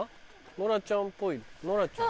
ノラちゃんっぽいノラちゃん。